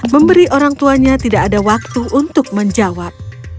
memberi orang tuanya tidak ada waktu untuk menjawab